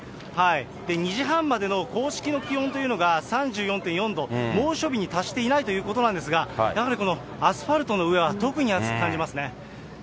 ２時半までの公式の気温というのが３４．４度、猛暑日に達していないということなんですが、アスファルトの上は特に暑く感じますね。